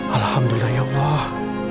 alhamdulillah ya allah